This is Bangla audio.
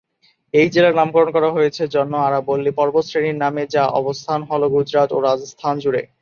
এই জেলার নামকরণ করা হয়েছে জন্য আরাবল্লী পর্বতশ্রেণীর নামে যা অবস্থান হল গুজরাট ও রাজস্থান জুড়ে।